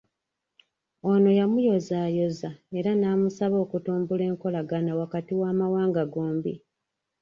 Ono yamuyozaayoza era n'amusaba okutumbula enkolagana wakati w'amawanga gombi.